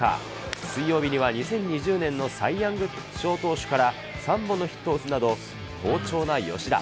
水曜日には２０２０年のサイ・ヤング賞投手から３本のヒットを打つなど、好調な吉田。